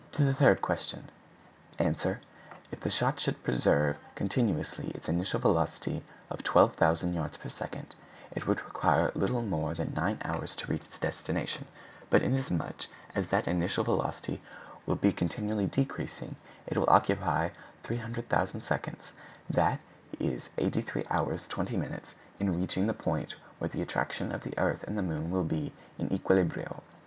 To the third question:— Answer.—If the shot should preserve continuously its initial velocity of 12,000 yards per second, it would require little more than nine hours to reach its destination; but, inasmuch as that initial velocity will be continually decreasing, it will occupy 300,000 seconds, that is 83hrs. 20m. in reaching the point where the attraction of the earth and moon will be in equilibrio.